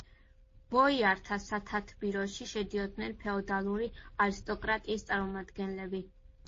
ბოიართა სათათბიროში შედიოდნენ ფეოდალური არისტოკრატიის წარმომადგენლები.